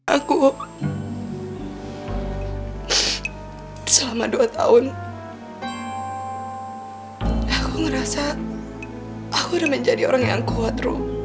aku selama dua tahun aku merasa aku udah menjadi orang yang kuat